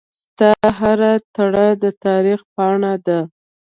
ستا هره تړه دتاریخ پاڼه ده